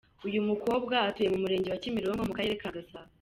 Uyu mukobwa atuye mu Murenge wa Kimironko mu Karere ka Gasabo.